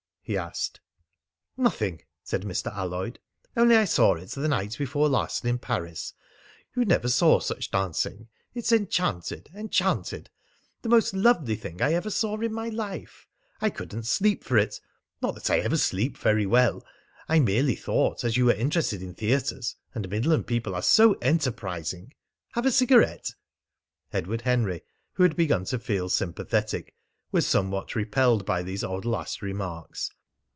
he asked. "Nothing," said Mr. Alloyd. "Only I saw it the night before last in Paris. You never saw such dancing. It's enchanted enchanted! The most lovely thing I ever saw in my life. I couldn't sleep for it. Not that I ever sleep very well! I merely thought, as you were interested in theatres and Midland people are so enterprising! ... Have a cigarette?" Edward Henry, who had begun to feel sympathetic, was somewhat repelled by these odd last remarks.